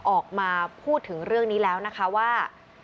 ออกมาพูดถึงเรื่องนี้แล้วนะคะว่า